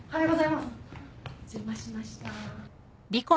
お邪魔しました。